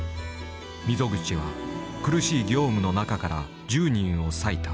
溝口は苦しい業務の中から１０人を割いた。